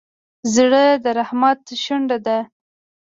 زړه د رحمت شونډه ده.